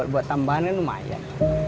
buat tambahan kan lumayan